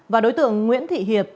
và đối tượng nguyễn thị hiệp